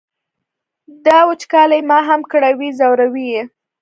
دا وچکالي ما هم کړوي ځوروي یې.